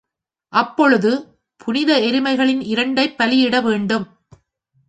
அப்பொழுது புனித எருமைகளில் இரண்டைப் பலியிட வேண்டும்.